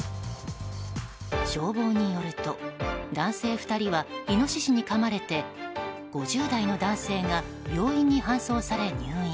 消防によると男性２人はイノシシにかまれて５０代の男性が病院に搬送され入院。